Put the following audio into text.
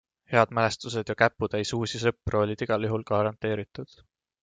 Head mälestused ja käputäis uusi sõpru olid igal juhul garanteeritud.